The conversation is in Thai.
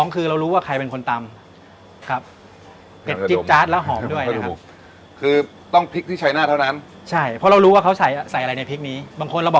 เกลือแล้วก็ซอสปรุงรสนะครับ